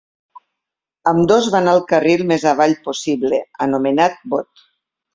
Ambdós van al carril més avall possible anomenat Bot.